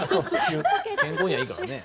健康にはいいからね。